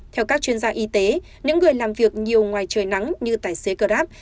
theo các chuyên gia y tế những người làm việc nhiều ngoài trời nắng như tài xế grab